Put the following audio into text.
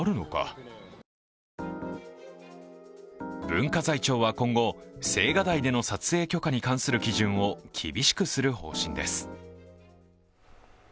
文化財庁は今後、青瓦台での撮影許可に関する基準を厳しくする方針です。